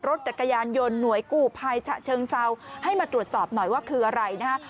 รถจักรยานยนต์หน่วยกู้ภัยฉะเชิงเซาให้มาตรวจสอบหน่อยว่าคืออะไรนะฮะ